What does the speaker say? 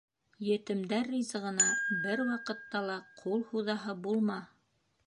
- Етемдәр ризығына бер ваҡытта ла ҡул һуҙаһы булма...